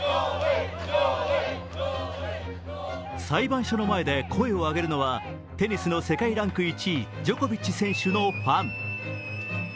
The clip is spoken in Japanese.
裁判所の前で声を上げるのは、テニスの世界ランク１位ジョコビッチ選手のファン。